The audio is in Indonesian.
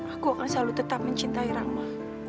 aku akan selalu tetap mencintai rama